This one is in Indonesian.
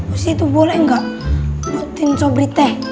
ustih tuh boleh gak butin sobri teh